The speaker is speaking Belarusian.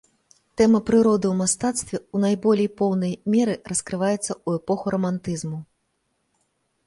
Тэма прыроды ў мастацтве ў найболей поўнай меры раскрываецца ў эпоху рамантызму.